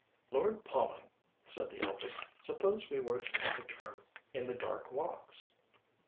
"Lord, Polly," said the eldest, "suppose we were to take a turn in the dark walks?"